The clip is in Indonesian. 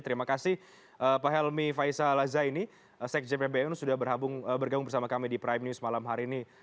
terima kasih pak helmi faisal aza ini seks jpbn sudah bergabung bersama kami di prime news malam hari ini